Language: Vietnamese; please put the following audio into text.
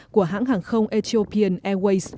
của hãng hàng không ethiopian airways